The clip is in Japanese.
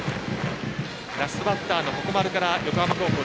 ラストバッターの鉾丸から横浜高校。